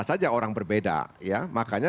saja orang berbeda ya makanya